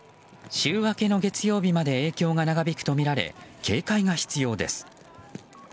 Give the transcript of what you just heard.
週明けの月曜日まで影響が長引くとみられ警戒が必要です。